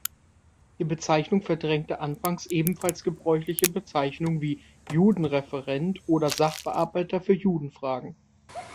Die Bezeichnung verdrängte anfangs ebenfalls gebräuchliche Bezeichnungen wie „Judenreferent“ oder „Sachbearbeiter für Judenfragen“.